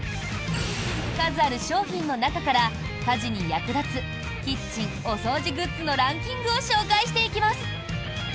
数ある商品の中から家事に役立つキッチン・お掃除グッズのランキングを紹介していきます。